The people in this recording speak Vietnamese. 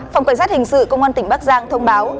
phòng cảnh sát hình sự công an tỉnh bắc giang thông báo